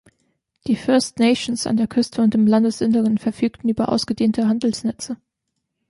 Die First Nations an der Küste und im Landesinneren verfügten über ausgedehnte Handelsnetze.